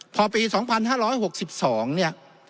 พอปี๒๕๖๒เนี่ย